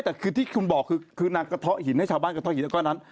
แต่คือที่คุณบอกคือนางกระเทาะหินให้ชาวบ้านกระท่อหินก้อนนั้น